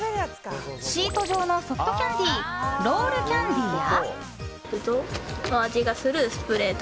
シート状のソフトキャンディーロールキャンディや。